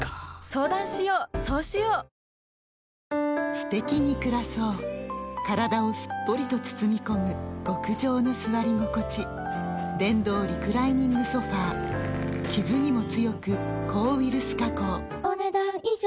すてきに暮らそう体をすっぽりと包み込む極上の座り心地電動リクライニングソファ傷にも強く抗ウイルス加工お、ねだん以上。